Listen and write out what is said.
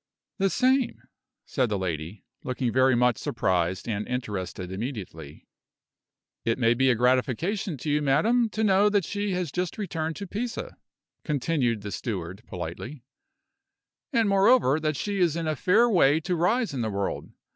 "The same," said the lady, looking very much surprised and interested immediately. "It may be a gratification to you, madam, to know that she has just returned to Pisa," continued the steward, politely; "and, moreover, that she is in a fair way to rise in the world.